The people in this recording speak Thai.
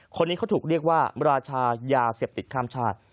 คนนี้เขาถูกเรียกว่าราชายาเสพติดข้ามชาติ